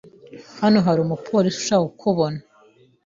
Hano hari umupolisi ushaka kukubona.